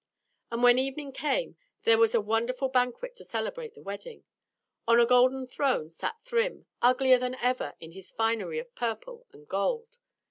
And when evening came there was a wonderful banquet to celebrate the wedding. On a golden throne sat Thrym, uglier than ever in his finery of purple and gold.